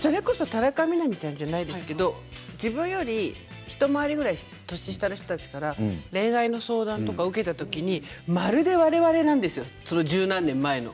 田中みな実ちゃんじゃないですけど自分より一回り下の人たちから恋愛の相談を受けた時にまるで我々なんですよ１０何年前の。